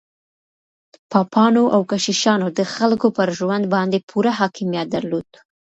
پاپانو او کشيشانو د خلګو پر ژوند باندې پوره حاکميت درلود.